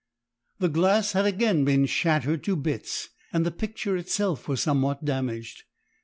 The glass had again been shattered to bits, and the picture itself was somewhat damaged.